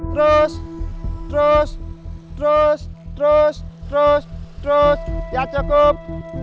terus terus terus terus terus terus ya cukup